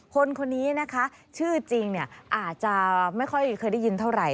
คนนี้นะคะชื่อจริงอาจจะไม่ค่อยเคยได้ยินเท่าไหร